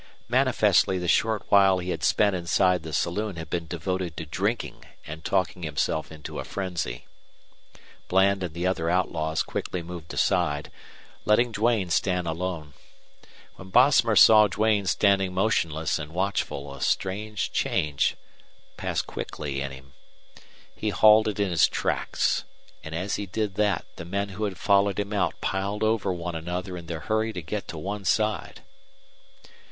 Manifestly the short while he had spent inside the saloon had been devoted to drinking and talking himself into a frenzy. Bland and the other outlaws quickly moved aside, letting Duane stand alone. When Bosomer saw Duane standing motionless and watchful a strange change passed quickly in him. He halted in his tracks, and as he did that the men who had followed him out piled over one another in their hurry to get to one side.